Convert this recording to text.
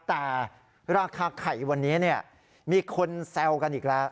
แต่ราคาไข่วันนี้มีคนแซวกันอีกแล้ว